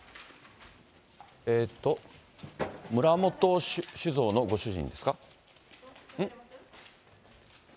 村元酒造のご主人ですか。